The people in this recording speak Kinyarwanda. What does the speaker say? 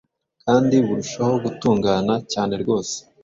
kandi burushaho gutungana cyanerwose